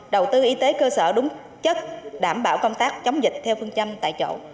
đầu tư y tế cơ sở đúng chất đảm bảo công tác chống dịch theo phương châm tại chỗ